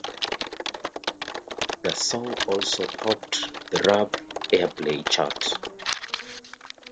The song also topped the Rap Airplay chart.